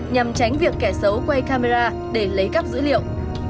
nhằm tránh việc kẻ xấu quay camera để lấy các dữ liệu